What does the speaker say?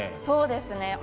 そうですね。